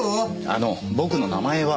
あの僕の名前は。